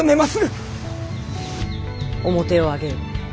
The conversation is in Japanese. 面を上げよ。